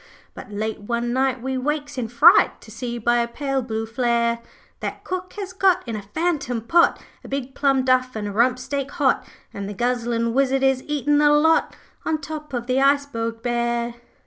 'But late one night we wakes in fright To see by a pale blue flare, That cook has got in a phantom pot A big plum duff an' a rump steak hot, And the guzzlin' wizard is eatin' the lot, On top of the iceberg bare.'